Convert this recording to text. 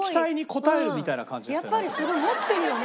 やっぱりすごい持ってるよね